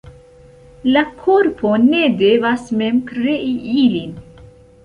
La korpo ne devas mem krei ilin.